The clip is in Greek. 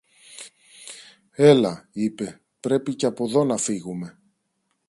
Έλα, είπε, πρέπει και από δω να φύγομε.